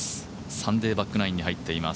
サンデーバック９に入っています。